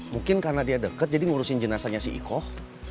mungkin karena dia deket jadi ngurusin jenazahnya si ikoh